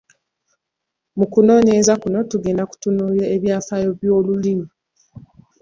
Mu kunoonyereza kuno tugenda kutunuulira ebyafaayo by'olulimi.